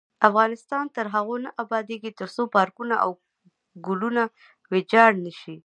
افغانستان تر هغو نه ابادیږي، ترڅو پارکونه او ګلونه ویجاړ نشي.